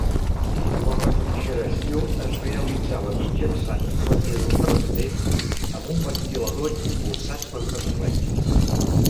La refrigeració es realitzava mitjançant un radiador davanter, amb un ventilador impulsat per una corretja.